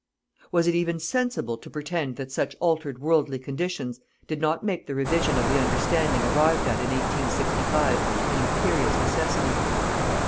Was it even sensible to pretend that such altered worldly conditions did not make the revision of the understanding arrived at in 1865 an imperious necessity.